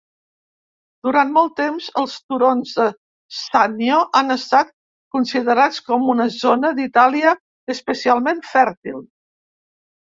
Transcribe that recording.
Durant molt temps, els turons de Sannio han estat considerats com una zona d'Itàlia especialment fèrtil.